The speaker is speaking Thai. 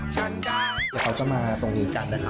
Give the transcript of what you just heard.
เดี๋ยวเขาจะมาตรงนี้จันทร์นะคะ